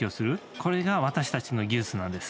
これが私たちの技術なんです。